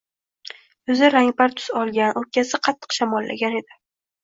Yuzi rangpar tus olgan, o`pkasi qattiq shamollagan edi